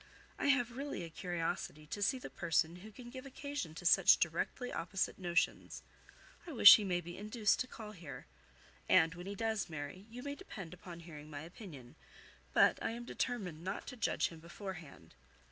I have really a curiosity to see the person who can give occasion to such directly opposite notions. I wish he may be induced to call here. And when he does, Mary, you may depend upon hearing my opinion; but I am determined not to judge him beforehand."